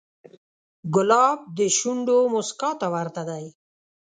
ګلاب د شونډو موسکا ته ورته دی.